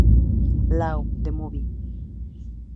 Law: The Movie.